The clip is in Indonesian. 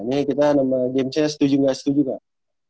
ini kita nombor gamesnya setuju gak setuju kak